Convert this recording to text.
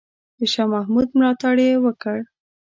د شاه محمود ملاتړ یې وکړ.